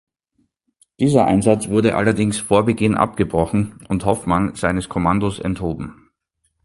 Dieser Einsatz wurde allerdings vor Beginn abgebrochen und Hoffmann seines Kommandos enthoben.